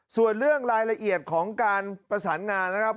ส่วนเรื่องรายละเอียดของการประสานงานนะครับ